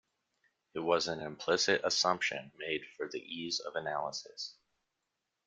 It was an implicit assumption made for the ease of analysis.